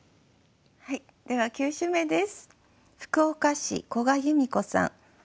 では９首目です。